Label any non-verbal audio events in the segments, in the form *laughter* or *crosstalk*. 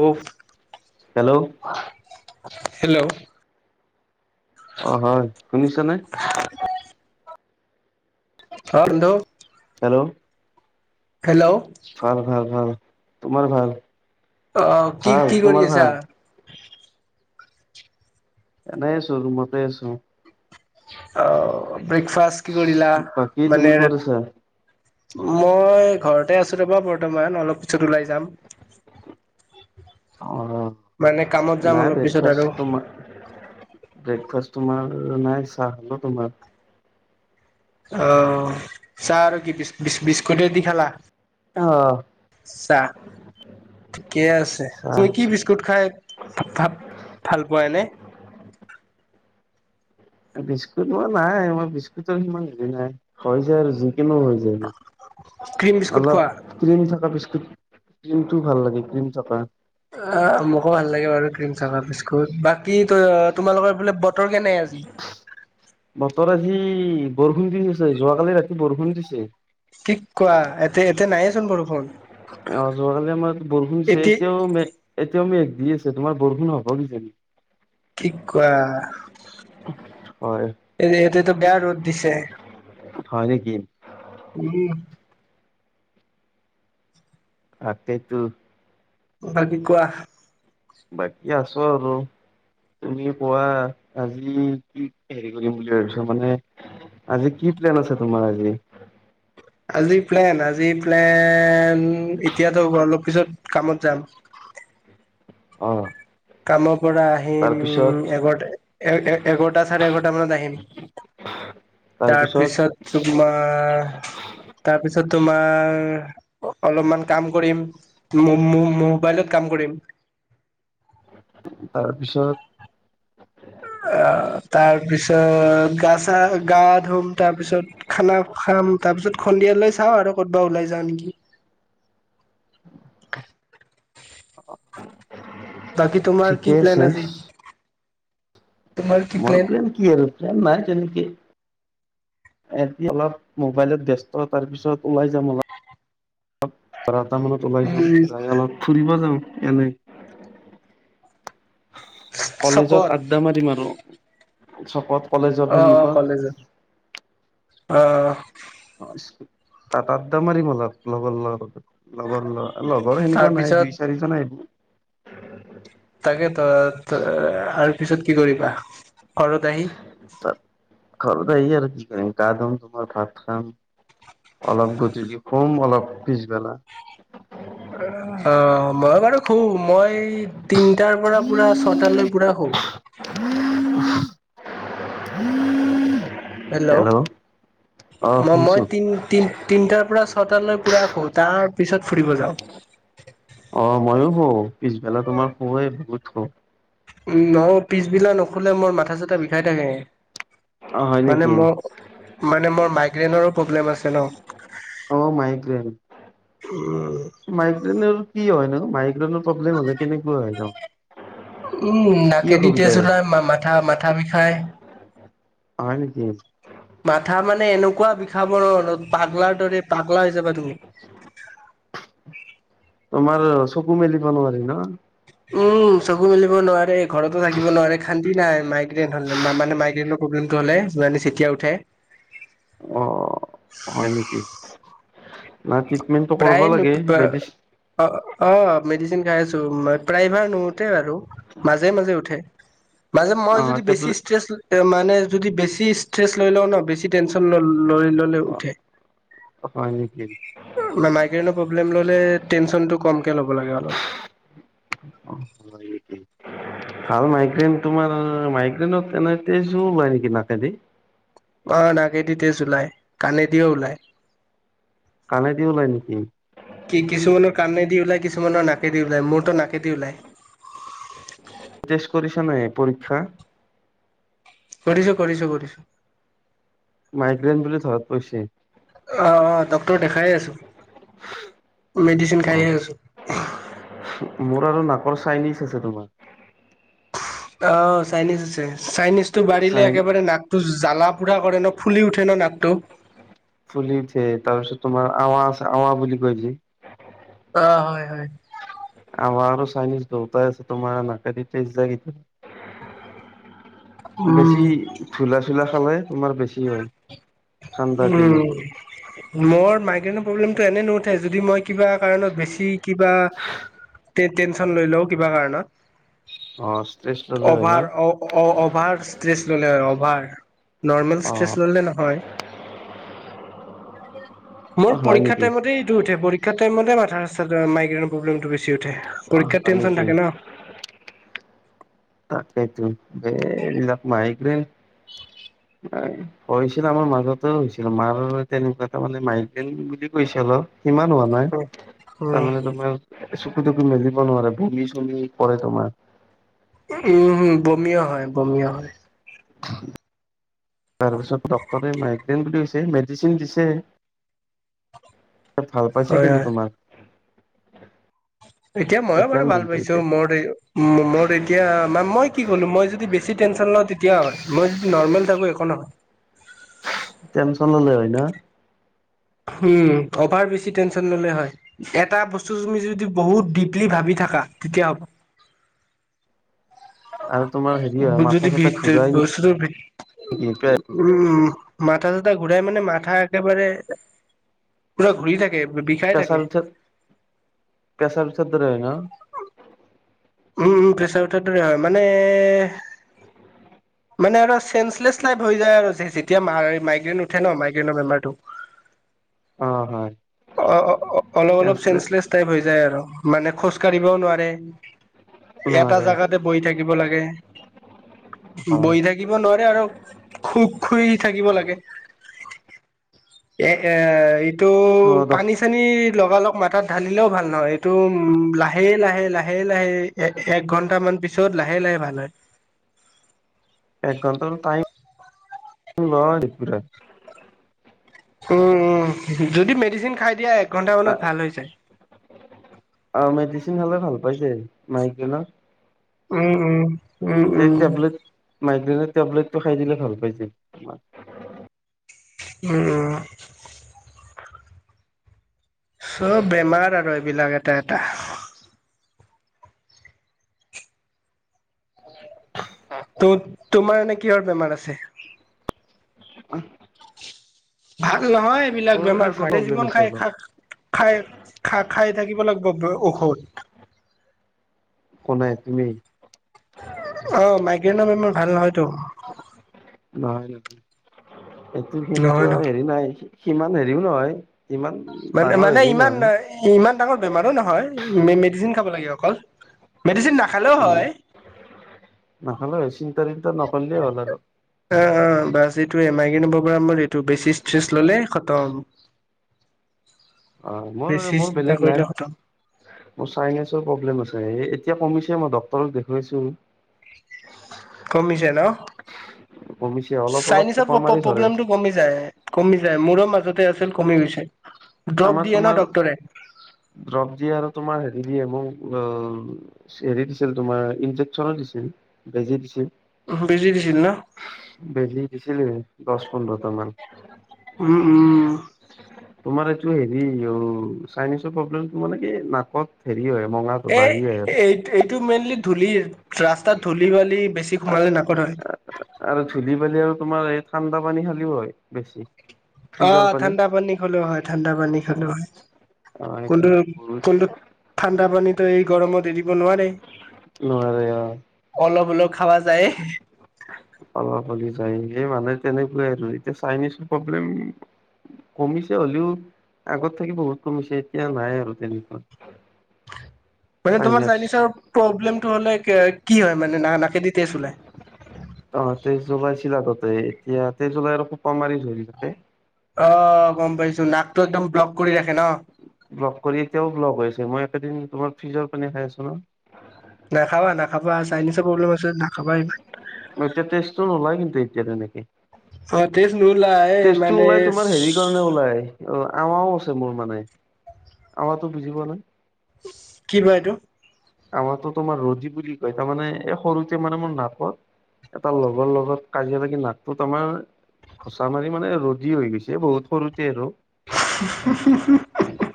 ও hello hello. অঁ হয়, শুনিছে নে? অঁ বন্ধু হেল্ল'। হেল্ল' অ ভাল ভাল-ভাল। তোমাৰ ভাল। আহ, কি ভাল কি তোমাৰ কৰি আছা? ভাল এনেই আছো ৰুমতে আছোঁ। অ ব্ৰেকফাষ্ট কি কৰিলা? বাকী মানে তুমি ক'ত আছা মই ঘৰতে আছো। ৰবা বৰ্তমান অলপ পিছত ওলাই যাম। অ, মানে কামত যাম নাই অলপ পিছত আৰু ব্ৰেকফাষ্ট তোমাৰ ব্ৰেকফা তোমাৰ নাই, চাহ খালো তোমাৰ। অ' চাহ আৰু কি বিস্কুটে দি খালা? অ চাহ, ঠিকে আছে চাহ তুমি কি খাইছো বিস্কুট খাই ভ ভাল পোৱা এনে? বিস্কুট মই নাই মই বিস্কুটৰ সিমান হেৰি নাই হয় যোয় আৰু যি। কিনো হৈ যায় গে, ক্ৰীম বিস্কুট খোৱা অলপ ক্ৰিম থকা বিস্কুট ক্ৰীমটো ভাল লাগে, ক্ৰীম থাকা। অ মোকো ভাল লাগে বাৰু ক্ৰীম থাকা বিস্কুট বা কি ত তোমালোকৰ ফালে বতৰ কেনে আ উ *inaudible* বতৰ আজি বৰষুণ দি আছে, যোৱাকালি ৰাতি বৰষুণ দিছে। কি কোৱা, এ এয়াতে নাহেচোন বৰষুন। অ' *inaudible* চেচদিও মেত *unintelligible* দি আছে তোমাৰ বৰষুণ হ'ব কিজানি কি কোৱা, হয় এই এতিয়াটো বেয়া ৰ'দ দিছে। হয় নেকি উম তাকেতো বাকি কোৱা। বাকি আছো আৰু তুমি কোৱা। আজি কি হেৰি কৰিম বুলি ভাবিছা, মানে আজি কি প্লেন আছে তোমাৰ আজি। আজি প্লেন আজি প্লেন এতিয়াটো অলপ পিছত কামত যাম। অ' কামত পৰা আহিম তাৰপিছত এঘ এঘাৰটা চাৰে এঘাৰটা মানত আহিম। তাৰপিছত তোমাৰ তাৰপিছত তোমাৰ অলপমান কাম কৰিম। মোবাইলত কাম কৰিম। তাৰ পিছত আহ তাৰপিছত গা চা গা ধুম। তাৰপিছত খানা খাম। তাৰ পিছত সন্দিয়ালৈ চাওঁ আৰু ক'বা ওলাই যাওঁ নেকি। অ বাকি তোমাৰ কি প্লেন আজি। তোমাৰ কি মোৰ প্লেন প্ৰেম কি আৰু প্ৰেম নাই তেনেকে। এ অলপ মোবাইলত ব্যস্ত। তাৰ পিছত ওলাই যাম অলপ। ত *unintelligible* এটা মানত ওলাই যাওঁ। উম যাই অলপ ফুৰিব যাওঁ। এনে কলেজত চকত আড্ডা মাৰিম আৰু। চকত কলেজৰ অহ', - অহ সন্মুখত ', কলেজত। অহ', তাতাতো মাৰিম অলপ লগৰ লগত। *unintelligible* লগৰ লৰা লগৰ সেনেকুৱা নাই তাৰপিছত দুই চাৰিজন আহিব। *inaudible* তাকে ত আৰু পিছত কি কৰিবা। ঘৰত আহি তাত ঘৰত আহি আৰু কি কৰিম গা ধুম তোমাৰ ভাত খাম অলপ গধূলি শুম অলপ পিছবেলা অহ ', মই বাৰু শুম মই তিনটাৰ পৰা পুৰা ছটালৈ পুৰা শুৱ। উম উম *inaudible* হেল্ল', ম মই শুনিছো তি- তি তিনিটাৰ পৰা ছটালৈ পুৰা শুম তাৰ পিছত ফুৰিব যাওঁ। অহ ', মইও শুও পিছবেলা তোমাৰ শুও এ বহুত শুও। উম, নহয় পিছবেলা নুখোলে মোৰ মাথা চাথা বিষাই থাকে। অ হয় মানে নেকি মোৰ - মানে মোৰ মাইকি গ্ৰেইনৰো প্ৰব্লেম আছে ন। অহ ', মাইক্ৰেন মাইগ্ৰেইন - মাইগ্ৰেইন কি হয় ন? মাইগ্ৰেনৰ প্ৰব্লেম হলে কেনেকুৱা হয়। উম, কি নাকেদি অসুবিধা তেজ হয় ওলাই মাথা- মাথা বিষ খায়। হয় নেকি। মাথা মানে এনেকুৱা বিষাব ন পাগলাৰ দৰে পাগলা হৈ যাবা তুমি। তোমাৰ চকু মেলিব নোৱাৰি ন। উম, চকু মেলিব নোৱাৰে ঘৰতো থাকিব নোৱাৰে খান্দি নাই মাইগ্ৰেইন হ মানে মাইগ্ৰেইনৰ প্ৰব্লেমটো হলে যি চতিয়াই উঠে। ন কি *unintelligible* প্ৰায় অহ ', - অহ ', মেডিচিন খাইছো মই প্ৰায়ভাগ নুঠে বাৰু মাজে- মাজে উঠে। মাজে মই অ যদি বেছি টেবলেট ষ্ট্ৰেছ মানে যদি বেছি ষ্ট্ৰেছ লৈ লও ন বেছি টেনচন ল লৈ ললে অ উঠে। হয় নেকি ম মাইগ্ৰেইনৰ প্ৰব্লেম ল'লে টেনচনটো কমকে ল'ব লাগে অলপ। অ হয় নেকি ভাল মাইগ্ৰেইন তোমাৰ মাইগ্ৰেইনত তেনে তেজো ওলাই নেকি নাকদি? আহ, নাকেদি তেজ ওলাই কানেদিও ওলাই। কণেদি ওলাই নিকি? কি কিছুমানৰ কাণেদি ওলাই কিছুমানৰ নাকেদি ওলাই মোৰটো নাকেদি ওলায়। টেষ্ট কৰিছা নে পৰীক্ষা? কৰিছো, কৰিছো, কৰিছো। মাইগ্ৰেন বুলি ধৰা পইছে। অ', অ', ডক্তৰ দেখাইয়ে আছো মেডিচিন অ খাইয়ে আছো। মোৰ আৰু নাকৰ চাইনিজ আছে তোমাৰ। অ', চাইনিছ আছে। চাইনিজটো বাঢ়িলে চাইন একেবাৰে নাকটো জ্বালা পুৰা কৰে ন? ফুলি উঠে ন নাকটো? আৱাজ আৱা বুলি কয় যে অ', হয়, হয়। আমাৰ আৰু চাইনিজ দয়তাই আছে তোমাৰ নাকে তেজ যায়। উম বেছি ধূলা চোলা খালে তোমাৰ বেছি হয় ঠাণ্ডাৰ দিনত উম, মোৰ মাইগ্ৰেনৰ প্ৰব্লেমটো এনে নুঠে যদি মই কিবা কাৰণত বেছি কিবা টে টেনচন লৈ লও কিবা অ ষ্ট্ৰেছ কাৰণত ল'লে হয় ন over over stress *unintelligible* over normal stress অ', ল'লে নহয়। মোৰ হয় পৰীক্ষাৰ নেকি? টাইমতেইটো উঠে পৰীক্ষা টাইম মতে মাথাৰ *unintelligible* মাইগ্ৰেইনৰ প্ৰব্লেমটো বেছি চি উঠে অ', পৰীক্ষাত হয় টেনচন নেকি? থাকে ন। তাকেতো এইবিলাক মাইগ্ৰেইন হৈছিল আমাৰ মাজত হৈছিল মাৰ তেনেকুৱা ত মানে মাইগ্ৰেইন বুলি কৈছিল। সিমান হোৱা নাই, তাৰমানে উম তোমাৰ চকু তকো মেলিব নোৱাৰে বমি চমি কৰে তোমাৰ। উম, হম, বমি হয়। বমিয় হয়। তাৰপিছত ডক্তৰে মাইগ্ৰেন বুলি কৈছে মেডিচিন দিছে। ত ভাল পাইছে হয় কিন্তু হয় তোমাৰ। এতিয়া ময়ো বাৰু ভাল কিন্তু পাইছো, এতিয়া মোৰ-মোৰ এতিয়া ম-মই কি ক'লো মই যদি বেছি টেনশ্যন লওঁ তেতিয়া হয়, মই যদি নৰ্মেল থাকো একো নহয়। টেনচন ললে হয়, ন? উম, অভাৰ বেছি টেনচন ললে হয়, এটা বস্তু তুমি যদি বহুত ডিপলি ভাবি থাকা তেতিয়া হ'ব। আৰু তোমাৰ হেৰি হয় মাথা যদি চাথা ঘূৰাই ভিত-বছ-ভিত নেকি উম মাথা চটা ঘূৰাই মানে মাথা একেবাৰে, পুৰা ঘূৰি থাকে। বিষাই কচা থাকে। বি, কেচা বি চদৰে না। উম, উম, প্ৰেছাৰ হয় মানে মানে, আৰু চে লাই হৈ যায় আৰু মাইগ্ৰেইন উঠে ন মাইগ্ৰেনৰ বেমাৰটো। অ', হয় অ অ অলপ অলপ চেঞ্চলেছ চেন্ঞ্চলেচ টাইপ হৈ যায় আৰু। মানে খোজ কঢ়িবও নোৱাৰে। এটা নোৱাৰে জাগাতে বহি থাকিব লাগে। হয় বহি থাকিব নোৱাৰে আৰু খুব। খুই থাকিব লাগে, এ এ। অ ত' দক পানী চানী। লগালগ মাত ঢালিলেও ভাল নহয় এইটো লাহে লাহে লাহে লাহে। এ এক ঘন্টামান পিছত লাহে লাহে ভাল হয়। এক ঘণ্টা টাইম। উ ন একৰা। উম উম যদি মেডিচিন খাই। দিয়া এক ঘন্টা মানত ভাল হৈ যায়। মেডিচিন খালে ভাল পাইছে মাইকক। উম উম। উম উম। মাইগ্ৰেনৰ টেবলেটটো খাই দিলে ভাল পাইছে - উম। চব বেমাৰ আৰু এইবিলাক এটা এটা। তোমাৰ এনে কিহৰ বেমাৰ আছে? উ। ভ *unintelligible* নহয় এইবিলাক বেমাৰ গোটেই প্ৰব্লেম জীৱন আছে খাই অলপ খা খাই খা খাই- থাকিব লাগিব ঔষধ। কোনে তুমি? আহ মাইগ্ৰেনৰ বেমাৰ ভাল নহয়টো। নহয় নহয়। এইটো নহয় সেনেকুৱা ন হেৰি নাই। সিমান হেৰিও নহয়। ইমান মানে ডাঙৰ মানে হেৰিও ইমান নহয় ইমান ডাঙৰ বেমাৰো নহয়। মেডিচিন খাব লাগে অকল মেডিচিন- নাখালেও উম হয় নাখালে বেছি - *unintelligible* হ'ল আৰু যিটো এমাইগ্ৰেন *unintelligible* এইটো বেছি ষ্ট্ৰেচ ললে খতম। অ মোৰ বেছি মোৰ চিন্তা বেলেগ নাই কৰিলে খতম মোৰ চাইন্সিৰ প্ৰব্লেম আছে। এতিয়া কমিছে মই ডক্টৰক দেখুৱাইছো। কমিছে ন কমিছে অলপ অলপ সোপা চাইন্সিৰ মাৰি ধৰে প্ৰব্লেমটো কমি যায়, মোৰো মাজতে আছিল। কমি গৈছে। ড্ৰপ আমাৰ দিয়ে ন তোমাৰ ডক্তৰে দ্ৰপ দিয়ে আৰু তোমাৰ হেৰি দিয়ে মোৰ- অ হেৰি দিছিল তোমাৰ ইনজেকচনো দিছিল বেজি দিছিল। বেজি দিছিল ন বেজি দিছিলে। দহ পোন্ধৰতামান। উম উম। তোমাৰ এইটো হেৰি অ চাইন্সৰ প্ৰব্লেমটো মানে কি নাকত- হয় মঙাটো এ বাঢ়ি আহে আৰু এই এইটো মেইনলি ধূলি- ৰাস্তা ধূলি-বালি- বেছি সোমালে নাকট হয়। আৰু ধূলি বালি আৰু তোমাৰ এই ঠাণ্ডা পানী খালেও হয় বেছি। অ ঠাণ্ডা পানী খালেও হয়। ঠাণ্ডা পানী খালে হয় আহ সেইটো কোনটো বহুত কোনটো ঠাণ্ডা পানীত- ত এই গৰমত- নোৱাৰে নোৱাৰে অলপ অলপ - খাবা যায় অলপলি যায় স মানে তেনেকুৱাই আৰু এতিয়া চাইনিচৰ প্ৰব্লেম কমিছে হ'লেও আগত থাকি বহুত কমিছে এতিয়া নাই আৰু তেনেকুৱা মানে তোমাৰ চাইনাছ চাইনিছৰ প্ৰব্লেম হ'লে এ কি হয় মানে নাকেদি তেজ ওলাই অ তেজ উলাইছিল আগতে এতিয়া তেজ ওলাই আৰু মাৰি ধৰি থাকে অ গম পাইছো নাকটো একদম ব্লক কৰি ৰাখে ন ব্লক কৰি এতিয়াও ব্লক হৈছে মই কেইদিন তোমাৰ ফ্ৰিজৰ পানী খাই আছো ন নাখাবা নাখাবা চাইনিছৰ প্ৰব্লেম আছে যদি নাখাবা ইমান এতিয়া তেজটো নোলায় কিন্তু এতিয়া তেনেকে অ তেজ নোলাই তেজটো মানে ওলাই তোমাৰ হেৰি কাৰণে ওলাই অ আমাও আছে মোৰ মানে আমাতো বুজি পোৱা নাই কি বা এইটো আমাৰো তো তোমাৰ ৰ'দী বুলি কয় তাৰ মানে এই সৰুতে মানে মোৰ নাকত এটা লগৰ লগত কাজিয়া লাগি নাকটো তমাৰ ঘোচা মাৰি মানে ৰ'দী হৈ গৈছে বহুত সৰুতে আৰু *unintelligible*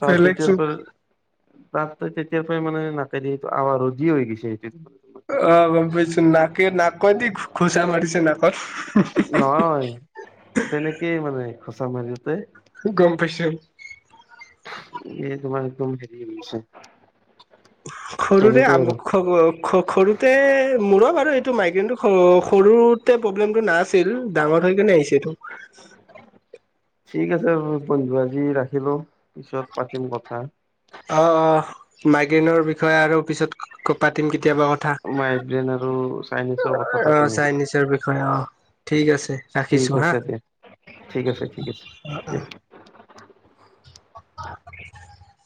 ত বেলেগ তেতিয়াৰ চোন পৰা তাত তেতিয়াৰ পৰাই মানে নাকেদি এইটো আৱা ৰজি হৈ গৈছে সেইটো অ গম পাইছো নাকে নাকেদি ঘোচা মাৰিছে নাকত। নহয়, তেনেকেই মানে সঁচা মাৰিওতে গম পাইছো। এই তমাৰ একদম হেৰি হৈ গৈছে সৰুৰে আমক সগ-স-সৰুতে মূৰৰত আৰু এইটো মাইগ্ৰেইনটো অ', সৰুতে প্ৰব্লেমটো নাছিল, ডাঙৰ হৈ কেনে আহিছেটো। ঠিক আছে বন্ধ আজি ৰাখিলো। পিছত পাতিম কথা। অ অ মাইগ্ৰেইনৰ বিষয়ে আৰু পিছত পাতিম কেতিয়াবা কথা মাইগ্ৰেইন আৰু চাইনিছৰ কথা অ পাতিমেলি, চাইনিজৰ বিষয়ে অ ঠিক আছে ৰাখিছো ঠিক হা আছে দে ঠিক আছে ঠিক আছে দে। *unintelligible*